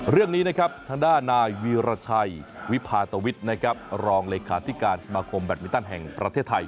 เรื่องนี้นะครับทางด้านนายวีรชัยวิพาตวิทย์นะครับรองเลขาธิการสมาคมแบตมินตันแห่งประเทศไทย